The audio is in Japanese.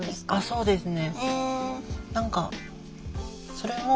そうですね。